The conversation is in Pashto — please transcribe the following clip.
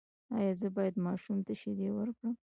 ایا زه باید ماشوم ته شیدې ورکړم؟